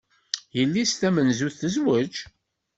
Yelli-s tamenzut tezweǧ.